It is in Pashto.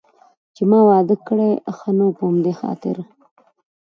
چې ما واده کړی، ښه نو په همدې خاطر.